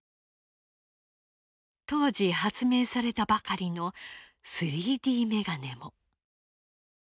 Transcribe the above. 当時発明されたばかりの３Ｄメガネも。